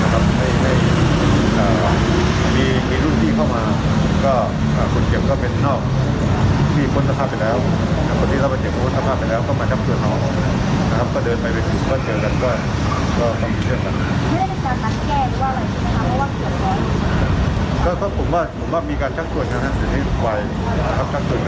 ก็เพราะผมว่าผมว่ามีการชัดตรวจทางนักศึกษาที่ไวครับชัดตรวจนั้น